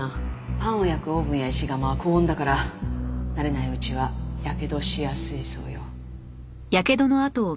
パンを焼くオーブンや石窯は高温だから慣れないうちは火傷をしやすいそうよ。